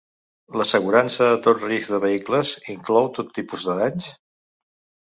L'assegurança a tot risc de vehicles inclou tot tipus de danys?